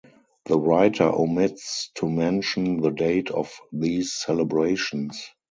The writer omits to mention the date of these celebrations.